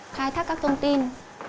thai thác các thông tin